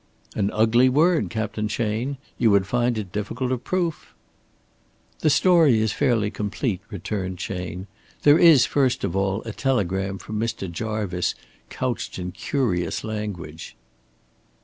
"An ugly word, Captain Chayne. You would find it difficult of proof." "The story is fairly complete," returned Chayne. "There is first of all a telegram from Mr. Jarvice couched in curious language."